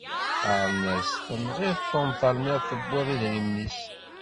Qqaren-as tenɣiḍ Tom terniḍ tewwiḍ idrimen-is.